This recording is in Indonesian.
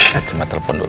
saya terima telepon dulu